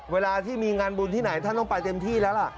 เวลาที่มีงานบุญที่ไหนท่านต้องไปเต็มที่แล้วล่ะ